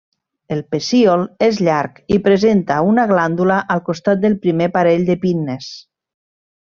El pecíol és llarg i presenta una glàndula al costat del primer parell de pinnes.